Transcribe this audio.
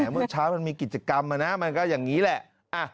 เมื่อเช้ามันมีกิจกรรมนะมันก็อย่างนี้แหละ